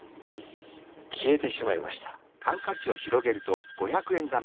消えてしまいました。